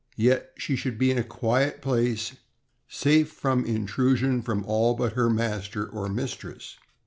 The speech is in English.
Yet she should be in a quiet place, safe from intrusion from all but her master or mistress.